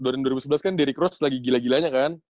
terus dua ribu sebelas kan derek rose lagi gila gilanya kan